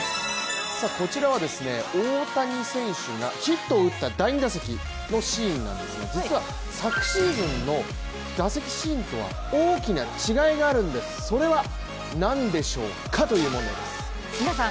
こちらは大谷選手がヒットを打った第２打席のシーンなんですが、実は昨シーズンの打席シーンとは大きな違いがあるんです、それは何でしょうかという問題です。